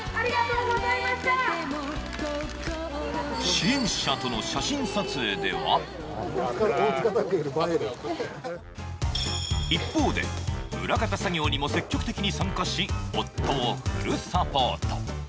支援者との写真撮影では一方で裏方作業にも積極的に参加し、夫をフルサポート。